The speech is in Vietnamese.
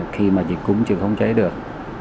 khi mà dịch cúng chưa thông chế được